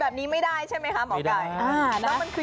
แบบนี้ไม่ได้ใช่ไหมคะหมอไก่